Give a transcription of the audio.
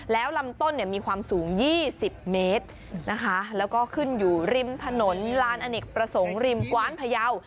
แล้วลำต้นเนี่ยมีความสูง๒๐เมตรนะคะแล้วก็ขึ้นอยู่ริมถนนลานอเนกประสงค์ริมกว้านพยาว